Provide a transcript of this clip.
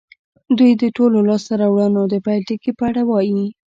دوی د ټولو لاسته راوړنو د پيل ټکي په اړه وايي.